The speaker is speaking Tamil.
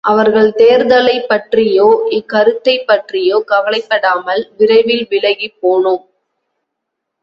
அவர்கள் தேர்தலைப் பற்றியோ, இக்கருத்தைப் பற்றியோ கவலைப்படாமல், விரைவில் விலகிப் போனோம்.